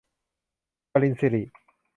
ปริญสิริ